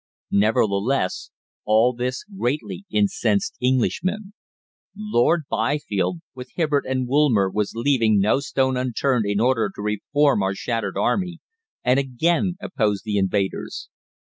Nevertheless, all this greatly incensed Englishmen. Lord Byfield, with Hibbard and Woolmer, was leaving no stone unturned in order to reform our shattered Army, and again oppose the invaders.